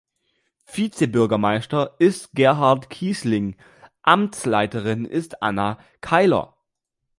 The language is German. Vizebürgermeister ist Gerhard Kiesling, Amtsleiterin ist Anna Keiler.